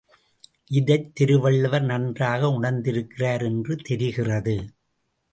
இதைத் திருவள்ளுவர் நன்றாக உணர்ந்திருக்கிறார் என்று தெரிகிறது.